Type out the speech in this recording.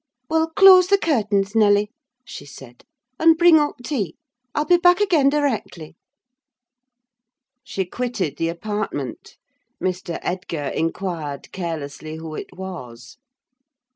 "Well, close the curtains, Nelly," she said; "and bring up tea. I'll be back again directly." She quitted the apartment; Mr. Edgar inquired, carelessly, who it was.